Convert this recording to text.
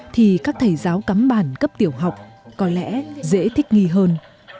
thì các thầy giáo cắm bản cấp tiểu học có lẽ dễ thích nghi hơn